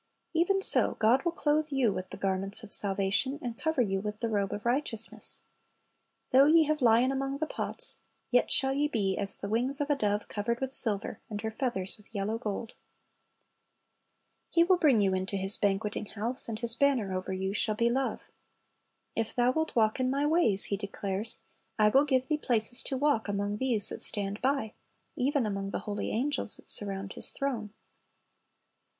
"'' Even so God will clothe you with "the garments of salvation," and cover you with "the robe of righteousness." "Though ye bave lien among the pots, yet shall ye be as the wings of a dove covered with silver, and her feathers with yellow gold."'^ He will bring you into His banqueting house, and His 1 John 6:37 ^'■Vs.^l■.^ 3 2ech. 3:4, 5 <Isa. 61 : 10; Ps. 6S : 13 ''Lost, and Is FoiiiitV^ ^O'J banner over you shall be love/ "If thou wilt walk in My ways," He declares, "I will give thee places to walk among these that stand by,"^ — even among the holy angels that surround His throne.